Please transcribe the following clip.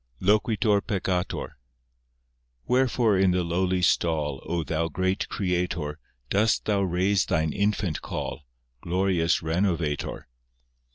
I (Loquitur peccator) Wherefore in the lowly stall, O Thou great Creator, Dost Thou raise Thine infant call, Glorious Renovator?